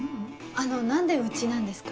あの何でうちなんですか？